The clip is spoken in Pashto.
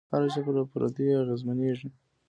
هره ژبه له پردیو اغېزمنېږي.